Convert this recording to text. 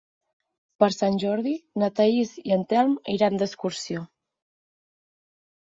Per Sant Jordi na Thaís i en Telm iran d'excursió.